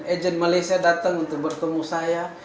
agent malaysia datang untuk bertemu saya